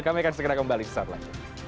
kami akan segera kembali sesaat lagi